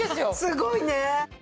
すごいね！